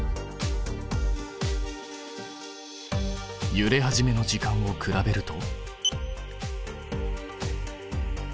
ゆれ始めの時間を比べると？